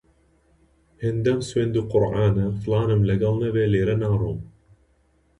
هێندەم سوێند و قورعانە، فڵانم لەگەڵ نەبێ لێرە ناڕۆم